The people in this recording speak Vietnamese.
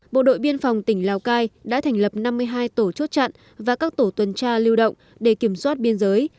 bộ đội biên phòng tỉnh lào cai đã thành lập năm mươi hai tổ chốt chặn và các tổ tuần tra lưu động để kiểm soát biên giới